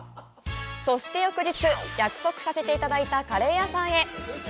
そして翌日約束させていただいたカレー屋さんへ。